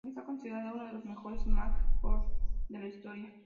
Está considerado uno de los mejores "smalls forwards" de la historia.